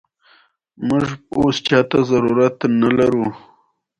میرمن زینب څوک وه باید ځواب شي.